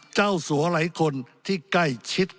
เจ้าสัวหลายคนที่ใกล้ชิด